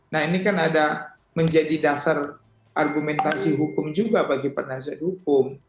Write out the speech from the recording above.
nah ini kan ada menjadi dasar argumentasi hukum juga bagi penasihat hukum